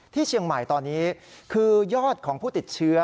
ที่เชียงใหม่ตอนนี้คือยอดของผู้ติดเชื้อ